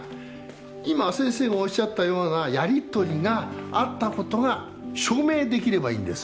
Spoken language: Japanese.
今先生がおっしゃったようなやりとりがあったことが証明できればいいんです。